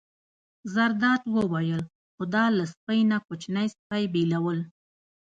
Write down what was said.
زرداد وویل: خو دا له سپۍ نه کوچنی سپی بېلول.